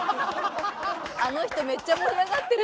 あの人めっちゃ盛り上がってる。